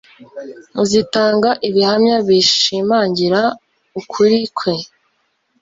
zitanga ibihamya bishimangira ukuri kwe.